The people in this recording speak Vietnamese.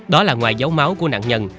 đó là ngoài dấu máu của nạn